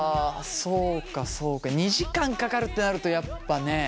そうかそうか２時間かかるってなるとやっぱね。